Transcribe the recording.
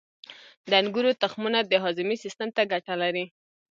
• د انګورو تخمونه د هاضمې سیستم ته ګټه لري.